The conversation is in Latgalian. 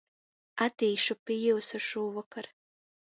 Atīšu pi jiusu šūvokor.